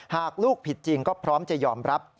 หากลูกผิดจริงก็พร้อมจะยอมรับ